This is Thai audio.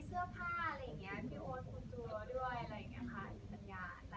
กับใครทำอะไรเลี้ยงกลีเหรือเสื้อผ้าพี่โอ้นคุณจูรสัญญา